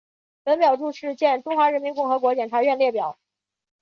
本表注释见中华人民共和国检察院列表。